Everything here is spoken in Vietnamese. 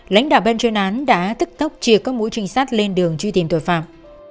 lãnh đạo bên trên án đã tức tốc chia các mũi trinh sát lên đường truy tìm tội phạm